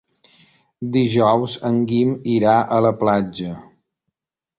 Dijous en Guim irà a la platja.